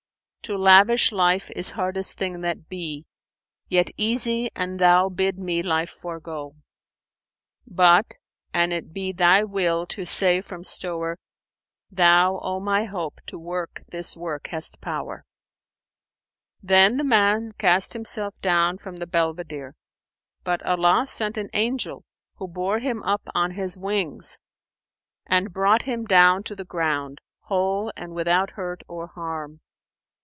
To lavish life is hardest thing that be, * Yet easy an Thou bid me life forego; But, an it be Thy will to save from stowre, * Thou, O my Hope, to work this work hast power!'" Then the man cast himself down from the belvedere; but Allah sent an angel who bore him up on his wings and brought him down to the ground, whole and without hurt or harm.